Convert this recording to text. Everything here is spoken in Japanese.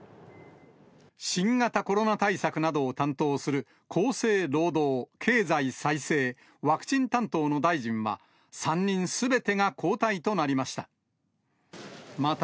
新型コロナ対策などを担当する厚生労働、経済再生、ワクチン担当の大臣は、３人すべてが交代となりました。